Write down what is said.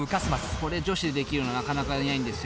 これ女子でできるのなかなかいないんですよ。